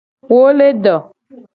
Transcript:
Wo le do.